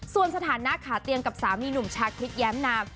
ส่วนสถานะขาเตียงกับสามีหนุ่มชาคริสแย้มนาม